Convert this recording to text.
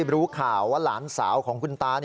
รู้ข่าวว่าหลานสาวของคุณตา